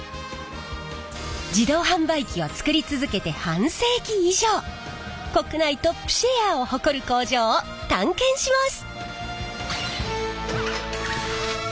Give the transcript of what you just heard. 自動販売機を作り続けて半世紀以上国内トップシェアを誇る工場を探検します！